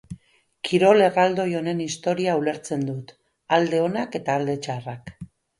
Kirol erraldoi honen historia ulertzen dut, alde onak eta alde txarrak.